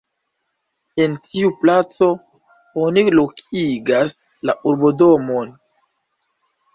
En tiu placo oni lokigas la urbodomon.